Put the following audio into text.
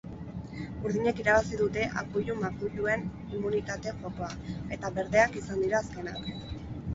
Urdinek irabazi dute akuilu-makuiluen immunitate jokoa, eta berdeak izan dira azkenak.